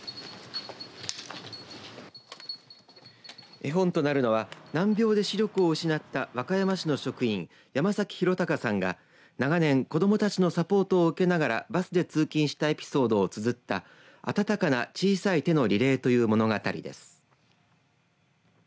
絵本となるのは難病で視力を失った和歌山市の職員、山崎浩敬さんが長年、子どもたちのサポートを受けながらバスで通勤したエピソードをつづったあたたかな小さい手のリレーという物語です。